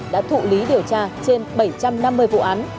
đã thụ lý điều tra trên bảy trăm năm mươi vụ án